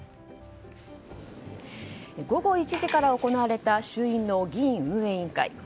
午後１時から行われた衆院の議院運営委員会。